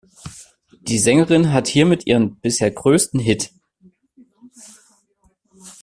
Die Sängerin hat hiermit ihren bisher größten Hit.